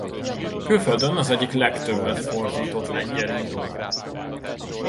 Külföldön az egyik legtöbbet fordított lengyel író.